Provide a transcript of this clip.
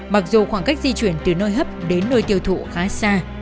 mặc dù khoảng cách di chuyển từ nơi hấp đến nơi tiêu thụ khá xa